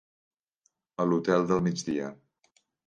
A l'Hotel del Migdia.